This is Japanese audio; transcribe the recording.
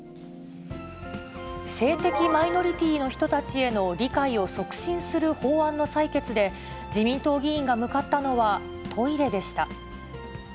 性的マイノリティーの人たちへの理解を促進する法案の採決で、自民党議員が向かったのは、トイレでした。